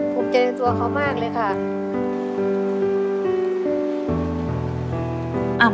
ภูมิใจในตัวเขามากเลยค่ะ